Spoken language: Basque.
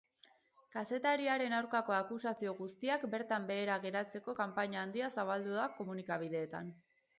Kazetariaren aurkako akusazio guztiak bertan behera geratzeko kanpaina handia zabaldu da komunikabideetan.